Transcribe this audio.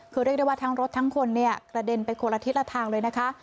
คือเรียกได้ว่าทั้งรถทั้งคนเนี่ยกระเด็นไปคนละทิศละทางเลยนะคะ